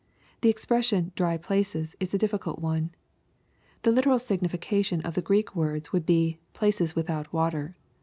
— The expression, " dry places," is a difficult one. The literal signification of the Greek words would be, —" places without water.